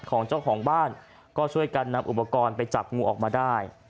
ของเจ้าของบ้านก็ช่วยกันนำอุปกรณ์ไปจับงูออกมาได้